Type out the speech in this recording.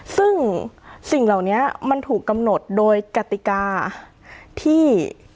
ซึ่งสิ่งเหล่านี้มันถูกกำหนดโดยกติกาที่